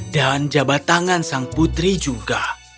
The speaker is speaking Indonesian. dan jabat tangan sang putri juga